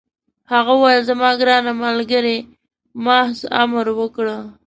هغه وویل: زما ګرانه ملګرې، محض امر وکړه.